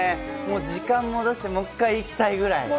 時間戻して、もう一回行きたいぐらい。